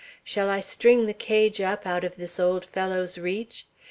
Shall I string the cage up out of this old fellow's reach?